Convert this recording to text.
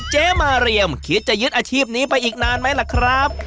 เจ๊มาเรียมคิดจะยึดอาชีพนี้ไปอีกนานไหมล่ะครับ